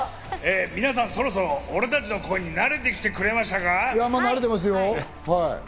皆さん、そろそろ俺たちの声に慣れてきてくれましたか？